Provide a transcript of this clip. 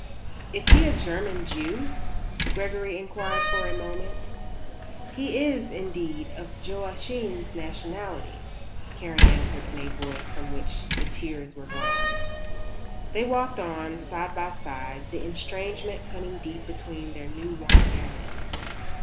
"Is he a German Jew?" Gregory inquired after a moment. "He is, indeed, of Joachim's nationality," Karen answered, in a voice from which the tears were gone. They walked on, side by side, the estrangement cutting deep between their new won nearness.